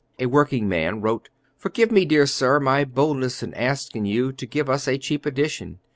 A workingman wrote: "Forgive me, dear sir, my boldness in asking you to give us a cheap edition.